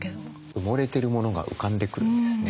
埋もれてるものが浮かんでくるんですね。